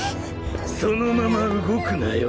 そのまま動くなよ。